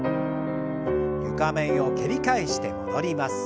床面を蹴り返して戻ります。